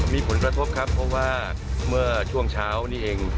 มีผลกระทบครับเพราะว่าเมื่อช่วงเช้านี้เอง